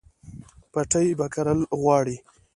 پټی به کرل غواړي